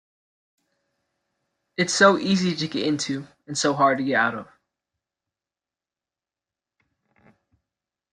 It's so easy to get into and so hard to get out of.